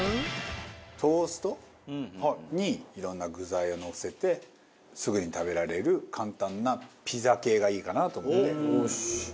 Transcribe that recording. トーストにいろんな具材をのせてすぐに食べられる簡単なピザ系がいいかなと思って考えました。